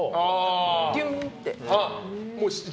ピュンって。